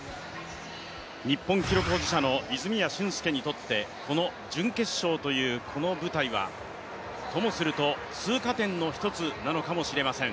日本記録保持者の泉谷駿介にとって、準決勝というこの舞台はともすると、通過点の１つなのかもしれません。